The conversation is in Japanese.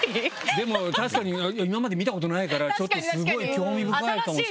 でも確かに今まで見たことないからスゴい興味深いかもしれない。